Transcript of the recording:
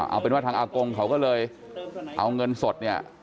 เอาเป็นว่าทางอากงเขาก็เลยเอาเงินสดเนี่ย